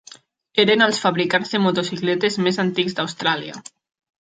Eren els fabricants de motocicletes més antics d'Austràlia.